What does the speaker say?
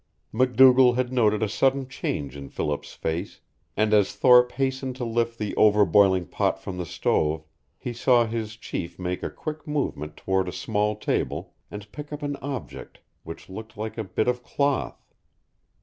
MacDougall had noted a sudden change in Philip's face, and as Thorpe hastened to lift the over boiling pot from the stove he saw his chief make a quick movement toward a small table, and pick up an object which looked like a bit of cloth.